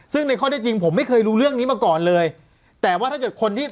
ซึ่งในข้อได้จริงผมไม่เคยรู้เรื่องนี้มาก่อนเลยแต่ว่าถ้าเกิดคนที่